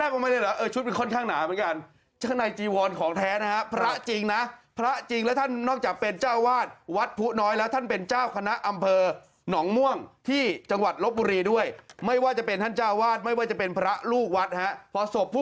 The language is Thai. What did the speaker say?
คือท่านเจ้าอาวาส